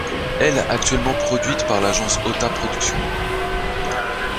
Elle actuellement produite par l'agence Ohta Production.